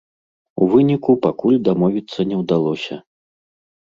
У выніку, пакуль дамовіцца не ўдалося.